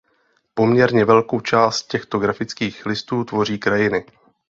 Poměrně velkou část těchto grafických listů tvoří krajiny.